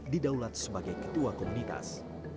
didaulat sebagai ketua komunitas